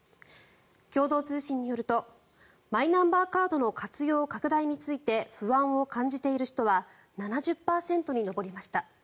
共同通信によるとマイナンバーカードの活用拡大について不安を感じている人は７０％に及びました。